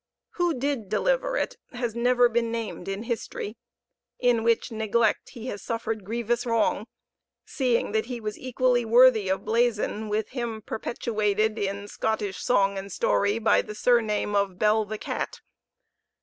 Who did deliver it has never been named in history; in which neglect he has suffered grievous wrong, seeing that he was equally worthy of blazon with him perpetuated in Scottish song and story by the surname of Bell the cat.